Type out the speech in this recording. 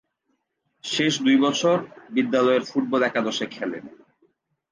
শেষ দুই বছর বিদ্যালয়ের ফুটবল একাদশে খেলেন।